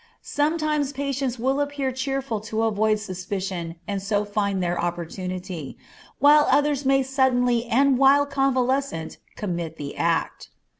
Sometimes patients will appear cheerful to avoid suspicion and so find their opportunity, while others may suddenly and while convalescent commit the act.